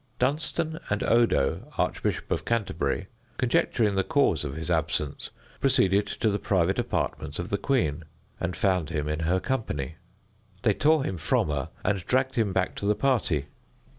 Dunstan and Odo, Archbishop of Canterbury, conjecturing the cause of his absence, proceeded to the private apartments of the queen, and found him in her company. They tore him from her, and dragged him back to the party.